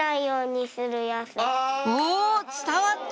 お伝わった！